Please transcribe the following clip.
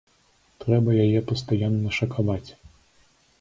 Трэба яе пастаянна шакаваць.